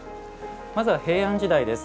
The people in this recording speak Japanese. まずは平安時代です。